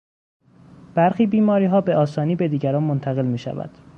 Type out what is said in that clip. برخی بیماریها به آسانی به دیگران منتقل میشود.